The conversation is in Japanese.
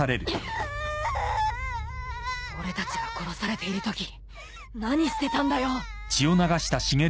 俺たちが殺されているとき何してたんだよ！